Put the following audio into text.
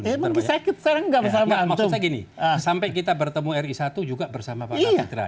maksudnya gini sampai kita bertemu ri satu juga bersama pak kapitra